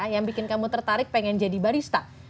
yang bikin kamu tertarik pengen jadi barista